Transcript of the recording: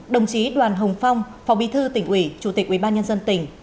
đồng chí đoàn hồng phong phó bí thư tỉnh ủy chủ tịch ubnd tỉnh